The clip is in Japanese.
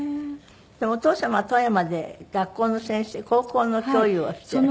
でもお父様は富山で学校の先生高校の教諭をしていらした。